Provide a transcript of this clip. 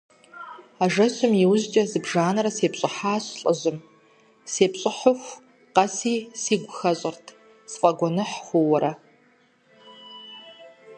А жэщым и ужькӀи зыбжанэрэ сепщӀыхьащ лӀыжьым, сепщӀыхьыху къэси сигу хэщӀырт, сфӀэгуэныхь хъуурэ.